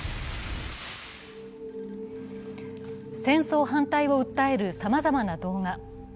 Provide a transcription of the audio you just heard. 戦争反対を訴えるさまざまな動画。